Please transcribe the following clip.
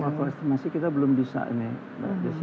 kalau estimasi kita belum bisa ini mbak desi